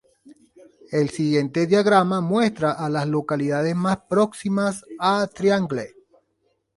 El siguiente diagrama muestra a las localidades más próximas a Triangle.